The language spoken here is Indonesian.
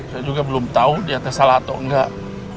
saya juga belum tau dia tersalah atau enggak